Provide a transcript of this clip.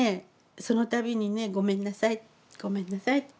その度にねごめんなさいごめんなさい